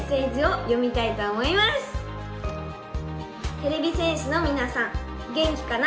「てれび戦士のみなさん元気かな？」。